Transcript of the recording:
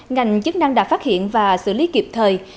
ngành chức năng đã phát hiện và xử lý kịp thời